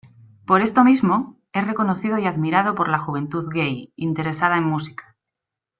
Por esto mismo, es reconocido y admirado por la juventud gay, interesada en música.